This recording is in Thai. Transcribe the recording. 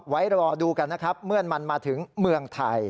ไว้รอดูกันนะครับเมื่อมันมาถึงเมืองไทย